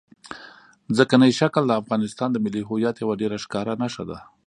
ځمکنی شکل د افغانستان د ملي هویت یوه ډېره ښکاره نښه ده.